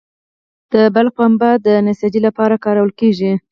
د بلخ پنبه د نساجي لپاره کارول کیږي